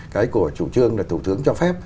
cái của chủ trương là thủ tướng cho phép